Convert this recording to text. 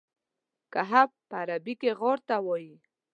کهف په عربي کې غار ته وایي.